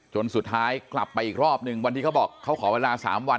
สุดท้ายกลับไปอีกรอบหนึ่งวันที่เขาบอกเขาขอเวลา๓วัน